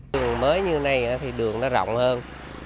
đường mới như này thì đường nó rộng hơn